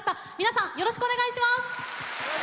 よろしくお願いします。